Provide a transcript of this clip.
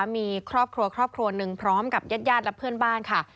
มีครอบครัวครอบครัวหนึ่งพร้อมกับญาติและเพื่อนบ้านค่ะ